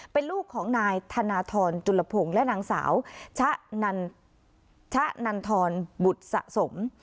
เป็นลูกของนายธนทรจุลพงศ์และนางสาวชะนันชะนันทรบุตรสะสม